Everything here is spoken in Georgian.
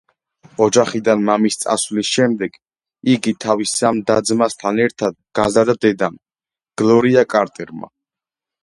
ოჯახიდან მამის წასვლის შემდეგ იგი, თავის სამ და-ძმასთან ერთად, გაზარდა დედამ, გლორია კარტერმა.